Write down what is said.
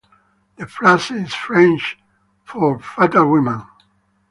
The phrase is French for "fatal woman".